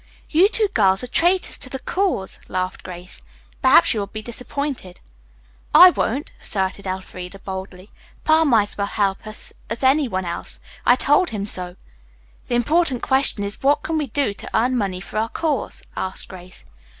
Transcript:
"You two girls are traitors to the cause," laughed Grace. "Perhaps you will be disappointed." "I won't," asserted Elfreda boldly. "Pa might as well help us as any one else. I told him so, too." "The important question is what can we do to earn money for our cause?" asked Grace.